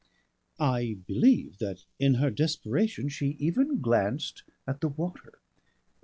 I believe that in her desperation she even glanced at the water.